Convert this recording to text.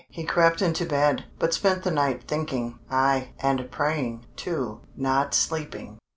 He crept into bed, but spent the night thinking, ay, and praying, too, not sleeping.